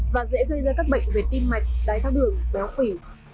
và dễ gây ra các bệnh về tim mạch đáy thác đường béo phỉ